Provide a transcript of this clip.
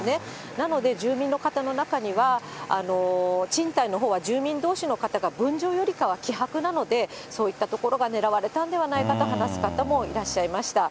なので住民の方の中には、賃貸のほうは住民どうしの方が分譲よりかは希薄なので、そういったところが狙われたんではないかと話す方もいらっしゃいました。